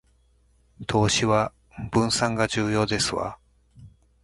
投資は分散が重要ですわ